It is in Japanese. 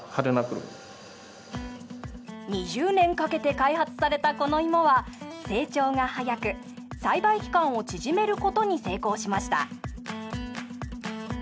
２０年かけて開発されたこの芋は成長が早く栽培期間を縮めることに成功しました。